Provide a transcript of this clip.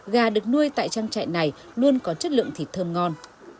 gà được nuôi tại trang trại này luôn có chất lượng thịt thơm ngon